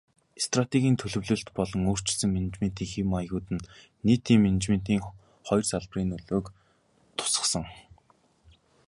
Стратегийн төлөвлөлт болон өөрчилсөн менежментийн хэв маягууд нь нийтийн менежментийн хоёр салбарын нөлөөг тусгасан.